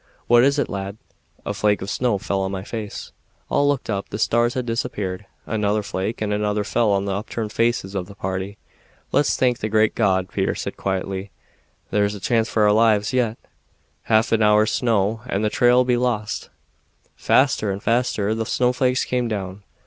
"What is it, lad?" "A flake of snow fell on my face." All looked up. The stars had disappeared. Another flake and another fell on the upturned faces of the party. "Let's thank the great God," Peter said quietly. "There's a chance for our lives yet. Half an hour's snow and the trail 'll be lost." Faster and faster the snowflakes came down.